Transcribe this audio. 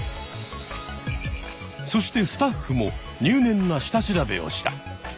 そしてスタッフも入念な下調べをした。